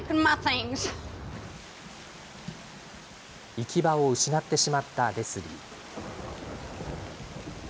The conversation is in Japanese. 行き場を失ってしまったレスリー。